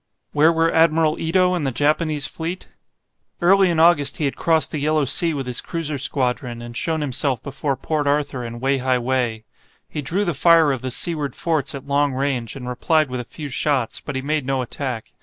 Where were Admiral Ito and the Japanese fleet? Early in August he had crossed the Yellow Sea with his cruiser squadron, and shown himself before Port Arthur and Wei hai Wei. He drew the fire of the seaward forts at long range, and replied with a few shots, but he made no attack.